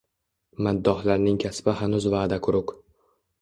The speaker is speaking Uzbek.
Maddohlarning kasbi hanuz vaʼda quruq